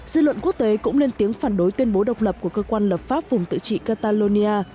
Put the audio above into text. dư luận quốc tế cũng lên tiếng phản đối tuyên bố độc lập của cơ quan lập pháp vùng tự trị catalonia